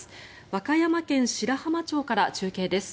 和歌山県白浜町から中継です。